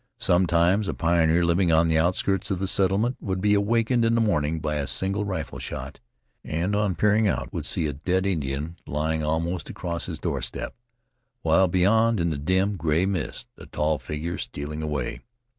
Sometimes a pioneer living on the outskirts of the settlement would be awakened in the morning by a single rifle shot, and on peering out would see a dead Indian lying almost across his doorstep, while beyond, in the dim, gray mist, a tall figure stealing away.